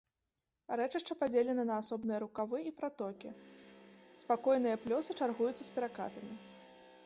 Рэчышча падзелена на асобныя рукавы і пратокі, спакойныя плёсы чаргуюцца з перакатамі.